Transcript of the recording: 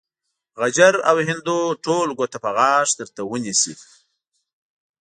غجر او هندو ټول ګوته په غاښ درته ونيسي.